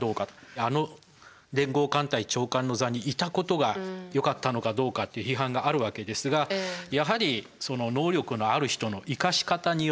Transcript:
あの連合艦隊長官の座にいたことがよかったのかどうかっていう批判があるわけですがやはりあるいは行く末のですね